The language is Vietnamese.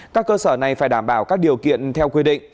các cơ sở này phải đảm bảo các điều kiện theo quy định